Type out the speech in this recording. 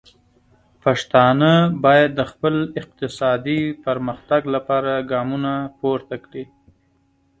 پښتانه باید د خپل اقتصادي پرمختګ لپاره ګامونه پورته کړي.